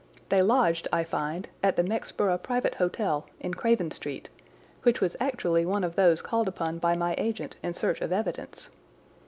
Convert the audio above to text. They lodged, I find, at the Mexborough Private Hotel, in Craven Street, which was actually one of those called upon by my agent in search of evidence.